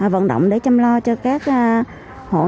vận động để chăm lo cho các hộ nhân